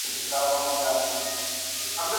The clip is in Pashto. ټولنه د چاپېريال محصول ده.